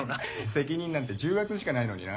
責任なんて重圧しかないのにな。